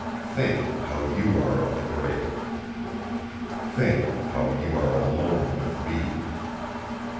Think how you are of the grave. Think how you are alone with me.